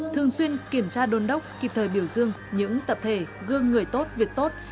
thường xuyên kiểm tra đôn đốc kịp thời biểu dương những tập thể gương người tốt việc tốt